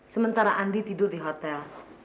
sementara andi tidur di hotel